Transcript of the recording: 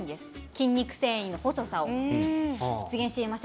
筋肉の繊維の細さを再現しています。